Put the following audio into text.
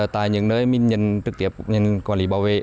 tại những nơi mình nhận trực tiếp nhận quản lý bảo vệ